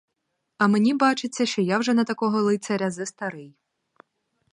А мені бачиться, що я вже на такого лицаря застарий.